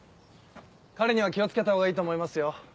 彼には気を付けたほうがいいと思いますよ。